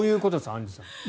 アンジュさん。